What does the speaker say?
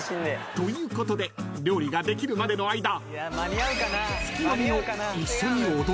［ということで料理ができるまでの間］